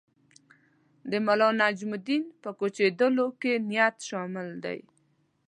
د ملانجم الدین په کوچېدلو کې نیت شامل دی.